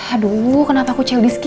aduh kenapa aku cewek diski